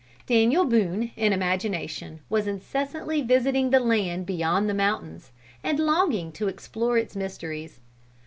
Daniel Boone, in imagination, was incessantly visiting the land beyond the mountains, and longing to explore its mysteries.